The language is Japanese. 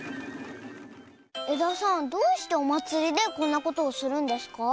えださんどうしておまつりでこんなことをするんですか？